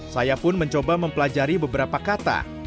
saya pun mencoba mempelajari beberapa kata